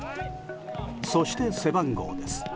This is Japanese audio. そして背番号です。